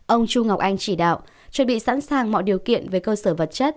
ông chu ngọc anh chỉ đạo chuẩn bị sẵn sàng mọi điều kiện về cơ sở vật chất